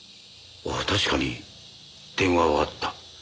ああ確かに電話はあった。